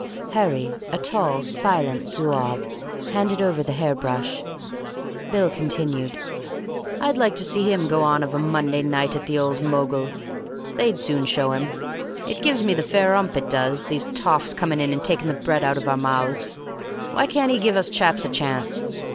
Harry, a tall, silent Zouave, handed over the hairbrush. Bill continued. "I'd like to see him go on of a Monday night at the old Mogul. They'd soon show him. It gives me the fair 'ump, it does, these toffs coming in and taking the bread out of our mouths. Why can't he give us chaps a chance?